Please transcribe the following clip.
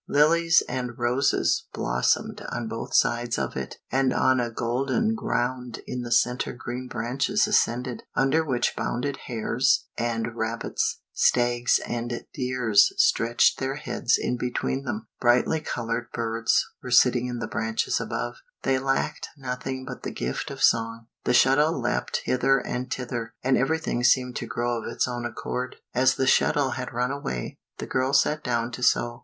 Lilies and roses blossomed on both sides of it, and on a golden ground in the centre green branches ascended, under which bounded hares and rabbits, stags and deer stretched their heads in between them, brightly coloured birds were sitting in the branches above; they lacked nothing but the gift of song. The shuttle leapt hither and thither, and everything seemed to grow of its own accord. As the shuttle had run away, the girl sat down to sew.